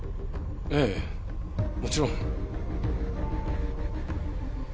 ええもちろん。